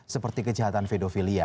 seperti kejahatan fedofilia